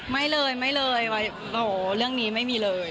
ไม่เลยไม่เลยโอ้โหเรื่องนี้ไม่มีเลย